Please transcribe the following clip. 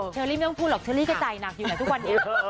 เชอรี่ไม่ต้องพูดหรอกเชอรี่ก็จ่ายหนักอยู่นะทุกวันนี้